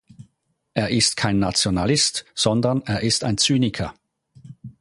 Er ist kein Nationalist, sondern er ist ein Zyniker.